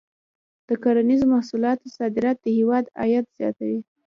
د کرنیزو محصولاتو صادرات د هېواد عاید زیاتوي.